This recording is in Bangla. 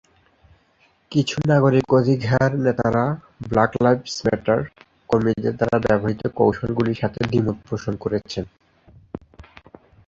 কিছু নাগরিক অধিকার নেতারা ব্ল্যাক লাইভস ম্যাটার কর্মীদের দ্বারা ব্যবহৃত কৌশলগুলির সাথে দ্বিমত পোষণ করেছেন।